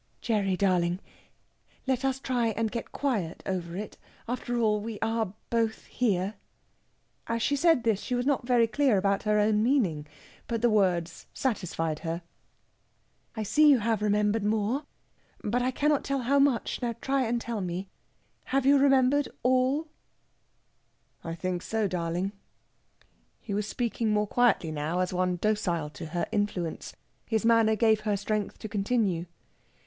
"Gerry darling let us try and get quiet over it. After all, we are both here." As she said this she was not very clear about her own meaning, but the words satisfied her. "I see you have remembered more, but I cannot tell how much. Now try and tell me have you remembered all?" "I think so, darling." He was speaking more quietly now, as one docile to her influence. His manner gave her strength to continue.